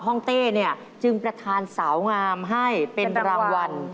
เต้เนี่ยจึงประธานสาวงามให้เป็นรางวัล